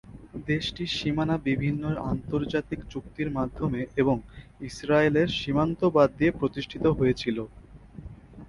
দেশটির সীমানা বিভিন্ন আন্তর্জাতিক চুক্তির মাধ্যমে এবং ইসরায়েলের সীমান্ত বাদ দিয়ে প্রতিষ্ঠিত হয়েছিল।